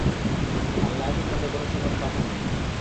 আল্লাহ এ সম্বন্ধে কোন সনদ পাঠাননি।